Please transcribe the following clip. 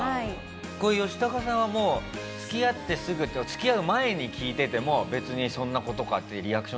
これヨシタカさんはもう付き合ってすぐ付き合う前に聞いてても別に「そんな事か」ってリアクションでしたかね？